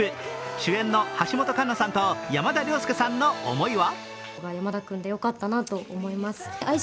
主演の橋本環奈さんと山田涼介さんの思いは？